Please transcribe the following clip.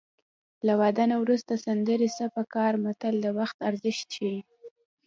له واده نه وروسته سندرې څه په کار متل د وخت ارزښت ښيي